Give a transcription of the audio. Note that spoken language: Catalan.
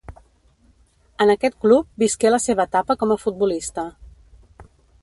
En aquest club visqué la seva etapa com a futbolista.